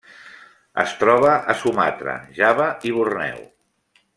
Es troba a Sumatra, Java i Borneo.